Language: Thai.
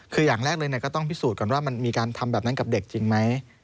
คืออย่างแรกเลยก็ต้องพิสูจน์ก่อนว่ามันมีการทำแบบนั้นกับเด็กจริงไหม